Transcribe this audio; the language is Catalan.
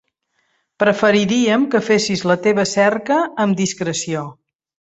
Preferiríem que fessis la teva cerca amb discreció.